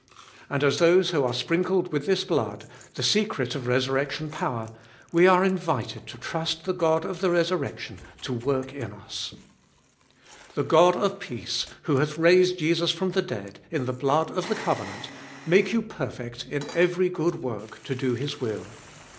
And as those who are sprinkled with this blood, the secret of resurrection power, we are invited to trust the God of the resur rection to work in us. The God of peace, who hath raised Jesus from the dead in the blood of the covenant, make you perfect in every good work 540 Cbe Dolfest of HII to do His will.